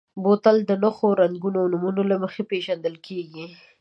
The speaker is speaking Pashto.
بوتل د نښو، رنګونو او نومونو له مخې پېژندل کېږي.